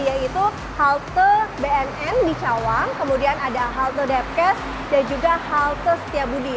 yaitu halte bnn di cawang kemudian ada halte depkes dan juga halte setiabudi